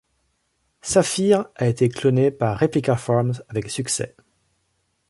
Sapphire a été cloné par Replica Farms avec succès.